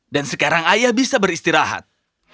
dan sekarang ayah bisa beristirahat